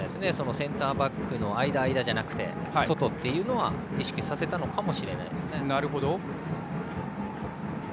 センターバックの間、間じゃなくて外というのは意識させたのかもしれないですね。